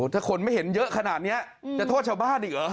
ถ้าคนไม่เห็นเยอะขนาดนี้จะโทษชาวบ้านอีกเหรอ